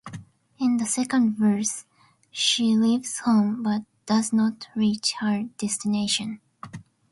In the second verse, she leaves home, but does not reach her destination.